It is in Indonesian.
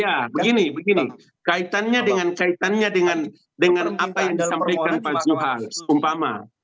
ya begini begini kaitannya dengan apa yang disampaikan pak zuhal